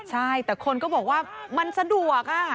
ใช่แต่คนก็บอกว่ามันสะดวก